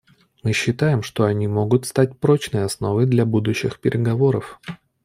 Мы считаем, что они могут стать прочной основой для будущих переговоров.